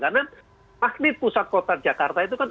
karena makhluk pusat kota jakarta itu kan